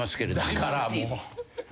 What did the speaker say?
だからもう。